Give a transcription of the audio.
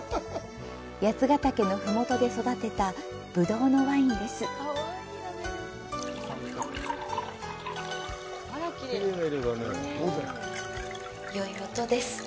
八ヶ岳のふもとで育てたブドウのワインです。